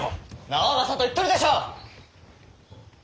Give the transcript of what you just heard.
直政と言っとるでしょ！